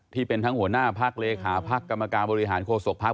ที่เป็นทั้งหัวหน้าพักเลขาพักกรรมการบริหารโฆษกภักดิ